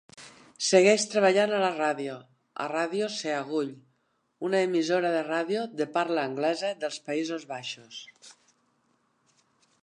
Segueix treballant a la ràdio, a Radio Seagull, una emissora de ràdio de parla anglesa dels Països Baixos.